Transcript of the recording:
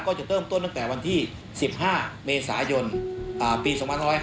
จะเริ่มต้นตั้งแต่วันที่๑๕เมษายนปี๒๕๕๙